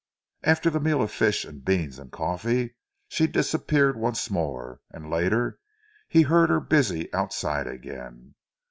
After the meal of fish and beans and coffee, she disappeared once more, and later he heard her busy outside again.